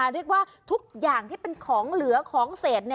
เรียกว่าทุกอย่างที่เป็นของเหลือของเศษ